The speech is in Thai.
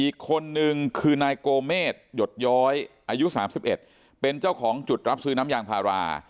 อีกคนนึงคือนายโกเมษหยดย้อยอายุ๓๑เป็นเจ้าของจุดรับซื้อน้ำยางพารา